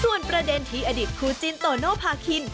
ส่วนประเด็นที่อดีตคู่จินโตโนภาคิน